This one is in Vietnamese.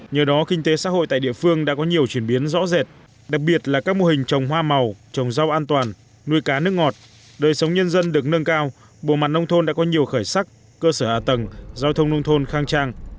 nhờ đó kinh tế xã hội tại địa phương đã có nhiều chuyển biến rõ rệt đặc biệt là các mô hình trồng hoa màu trồng rau an toàn nuôi cá nước ngọt đời sống nhân dân được nâng cao bộ mặt nông thôn đã có nhiều khởi sắc cơ sở hạ tầng giao thông nông thôn khang trang